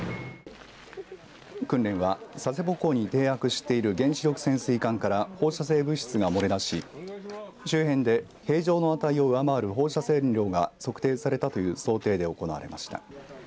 訓練は佐世保港に停泊している原子力潜水艦から放射性物質が漏れ出し周辺で平常の値を上回る放射線量が測定されたという想定で行われました。